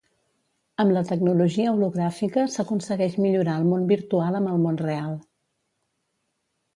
Amb la tecnologia hologràfica s'aconsegueix millorar el món virtual amb el món real.